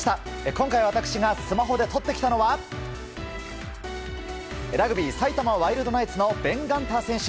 今回私がスマホで撮ってきたのはラグビー埼玉ワイルドナイツのベン・ガンター選手。